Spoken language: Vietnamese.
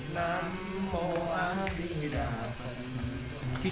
nam mô a di đạo phật